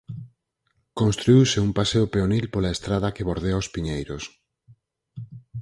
Construíuse un paseo peonil pola estrada que bordea os piñeiros.